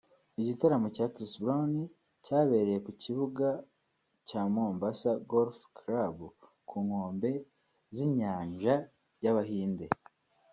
Igitaramo cya Chris Brown cyabereye ku kibuga cya Mombasa Golf Club ku nkombe z’inyanja y’Abahinde